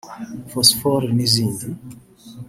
Phosphore n’izindi